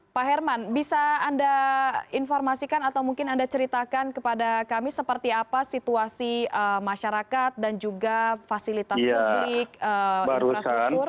pak herman bisa anda informasikan atau mungkin anda ceritakan kepada kami seperti apa situasi masyarakat dan juga fasilitas publik infrastruktur